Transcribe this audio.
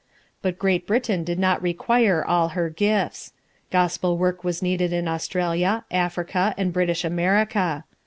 But Great Britain did not require all her gifts. Gospel work was needed in Australia, Africa, and British America.